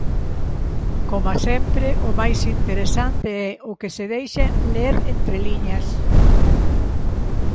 Coma sempre o máis interesante é o que se deixa ler entre liñas.